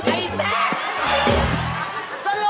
ไอ้แซงสโล